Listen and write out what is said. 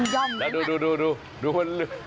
ย่อมแล้วดูดูมัน